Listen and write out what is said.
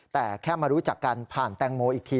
แต่แค่มารู้จักกันผ่านแตงโมอีกที